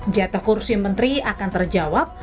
jatah kursi menteri akan terjawab